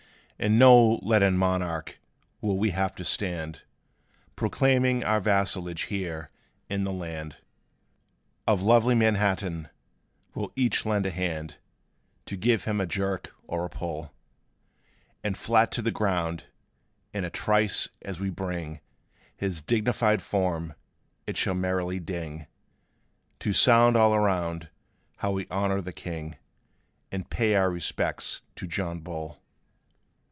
"And, no leaden monarch will we have to stand Proclaiming our vassalage here, in the land Of lovely Manhattan! We 'll each lend a hand To give him a jerk or a pull, And flat to the ground, in a trice, as we bring His dignified form, it shall merrily ding, To sound all around how we honor the king, And pay our respects to John Bull.